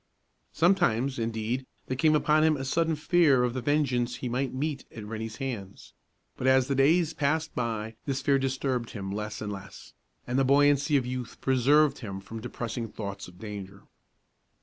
Sometimes, indeed, there came upon him a sudden fear of the vengeance he might meet at Rennie's hands; but as the days passed by this fear disturbed him less and less, and the buoyancy of youth preserved him from depressing thoughts of danger.